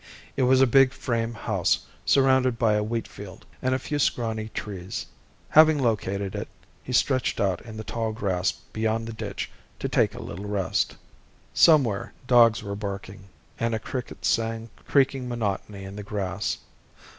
It was a big frame house surrounded by a wheatfield, and a few scrawny trees. Having located it, he stretched out in the tall grass beyond the ditch to take a little rest. Somewhere dogs were barking, and a cricket sang creaking monotony in the grass.